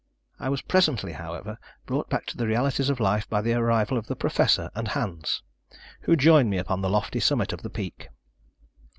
I was presently, however, brought back to the realities of life by the arrival of the Professor and Hans, who joined me upon the lofty summit of the peak.